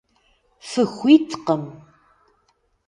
Фыхуиткъым!